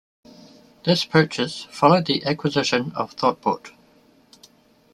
This purchase followed the acquisition of Thottbot.